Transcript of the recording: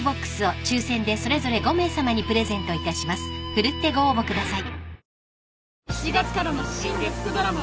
［奮ってご応募ください］